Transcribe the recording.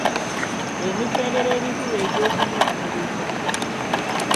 emitendera emikulu egy’okunoonyereza: